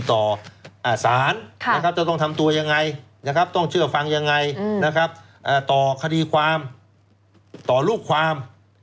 ต้องทำตัวยังไงต้องเชื่อฟังยังไงต่อคดีความต่อลูกความ